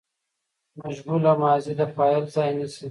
مجهوله ماضي د فاعل ځای نیسي.